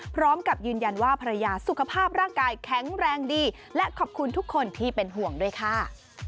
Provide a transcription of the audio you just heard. พร้อมกับยืนยันว่าภรรยาสุขภาพร่างกายแข็งแรงดีและขอบคุณทุกคนที่เป็นห่วงด้วยค่ะ